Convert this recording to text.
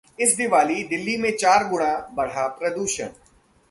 इस दिवाली दिल्ली में चार गुणा बढ़ा प्रदूषण